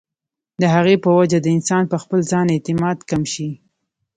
د هغې پۀ وجه د انسان پۀ خپل ځان اعتماد کم شي